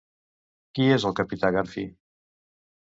Qui és el capità Garfi?